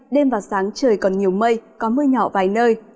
đêm và sáng trời còn nhiều mây có mưa nhỏ vài nơi